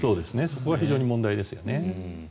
そこは非常に問題ですね。